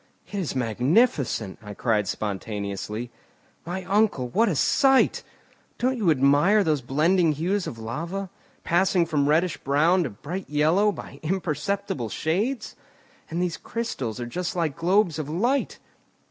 "It is magnificent!" I cried spontaneously. "My uncle, what a sight! Don't you admire those blending hues of lava, passing from reddish brown to bright yellow by imperceptible shades? And these crystals are just like globes of light."